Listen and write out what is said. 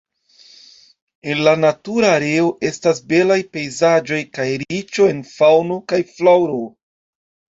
En la natura areo estas belaj pejzaĝoj kaj riĉo en faŭno kaj flaŭro.